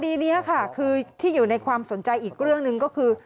คดีนี้ค่ะคือที่อยู่ในความสนใจอีกเรื่องหนึ่งก็คือ